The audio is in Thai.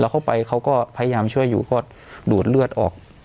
เข้าไปเขาก็พยายามช่วยอยู่ก็ดูดเลือดออก